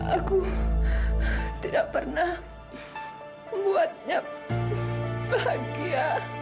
aku tidak pernah membuatnya bahagia